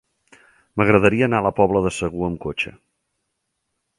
M'agradaria anar a la Pobla de Segur amb cotxe.